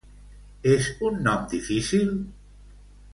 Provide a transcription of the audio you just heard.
És un nom difícil?